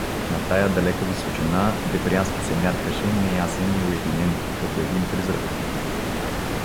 На тая далека височина Дебрянски се мяркаше неясен и уединен, като един призрак.